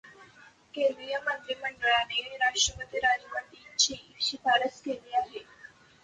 केंद्रीय मंत्रिमंडळाने राष्ट्रपती राजवटीची शिफारस केली.